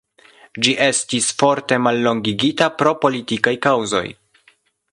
Ĝi estis forte mallongigita pro politikaj kaŭzoj.